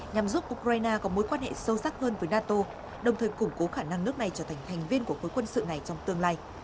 nhằm giúp ukraine có mối quan hệ sâu sắc hơn với nato đồng thời củng cố khả năng nước này trở thành thành viên của khối quân sự này trong tương lai